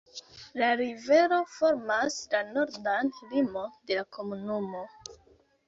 La rivero formas la nordan limon de la komunumo.